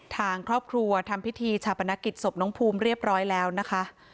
ทางครอบครัวทำพิธีชาปนกิจศพน้องภูมิเรียบร้อยแล้วนะคะ